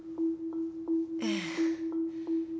ええ。